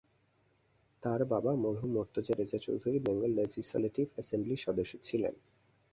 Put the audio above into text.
তাঁর বাবা মরহুম মোর্তজা রেজা চৌধুরী বেঙ্গল লেজিসলেটিভ অ্যাসেমব্লির সদস্য ছিলেন।